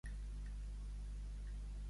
En quin número apareix Snotra?